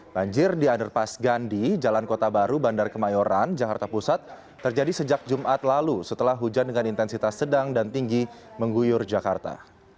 banjir di underpass gandhi jalan kota baru bandar kemayoran jakarta pusat terjadi sejak jumat lalu setelah hujan dengan intensitas sedang dan tinggi mengguyur jakarta